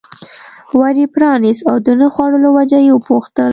ور یې پرانست او د نه خوړلو وجه یې وپوښتل.